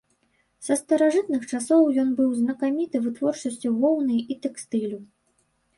Са старажытных часоў ён быў знакаміты вытворчасцю воўны і тэкстылю.